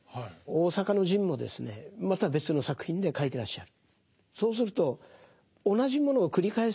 大坂の陣もですねまた別の作品で書いてらっしゃる。